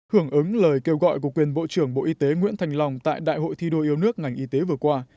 hưởng ứng lời kêu gọi của quyền bộ trưởng bộ y tế nguyễn thành long tại đại hội thi đua yêu nước ngành y tế vừa qua